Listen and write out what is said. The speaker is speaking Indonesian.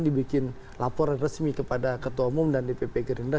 dibikin laporan resmi kepada ketua umum dan dpp gerindra